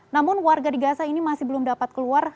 namun warga di gaza ini masih belum dapat keluar